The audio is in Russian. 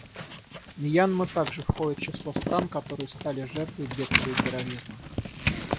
Мьянма также входит в число стран, которые стали жертвой бедствия терроризма.